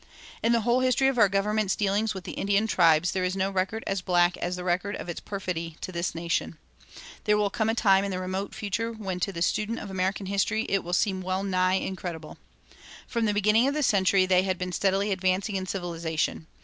"In the whole history of our government's dealings with the Indian tribes there is no record so black as the record of its perfidy to this nation. There will come a time in the remote future when to the student of American history it will seem well nigh incredible. From the beginning of the century they had been steadily advancing in civilization.